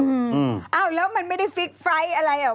อืมอ้าวแล้วมันไม่ได้ฟิกไฟล์อะไรหรอ